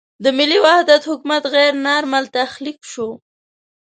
د ملي وحدت حکومت غیر نارمل تخلیق شو.